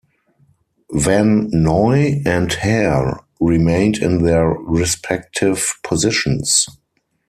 Van Noy and Hare remained in their respective positions.